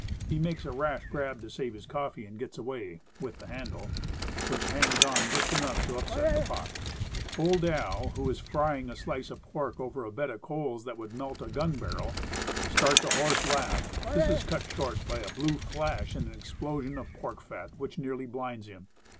He makes a rash grab to save his coffee, and gets away with the handle, which hangs on just enough to upset the pot. "Old Al.," who is frying a slice of pork over a bed of coals that would melt a gun barrel, starts a horse laugh, that is cut short by a blue flash and an explo sion of pork fat, which nearly blinds him.